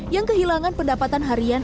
yang kehilangan pendapatan harian